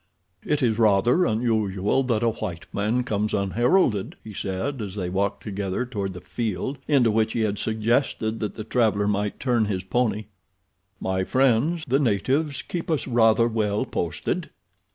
"It is rather unusual that a white man comes unheralded," he said, as they walked together toward the field into which he had suggested that the traveler might turn his pony. "My friends, the natives, keep us rather well posted."